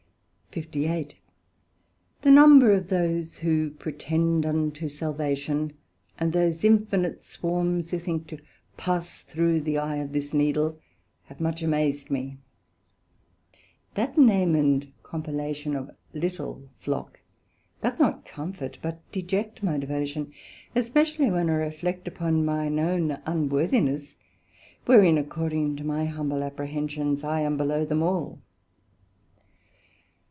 SECT.58 The number of those who pretend unto Salvation, and those infinite swarms who think to pass through the eye of this Needle, have much amazed me. That name and compellation of little Flock, doth not comfort, but deject my Devotion; especially when I reflect upon mine own unworthiness, wherein, according to my humble apprehensions, I am below them all.